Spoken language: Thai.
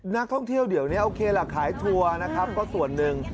นักท่องเที่ยวเดี๋ยวนี้โอเคล่ะขายทัวร์นะครับก็ส่วนหนึ่ง